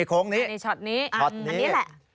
อันนี้ชอตนี้อันนี้แหละ